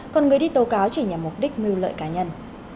còn người đi tố cáo chỉ nhằm mục đích mưu lợi cá nhân